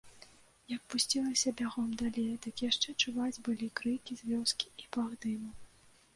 Як пусцілася бягом далей, дык яшчэ чуваць былі крыкі з вёскі і пах дыму.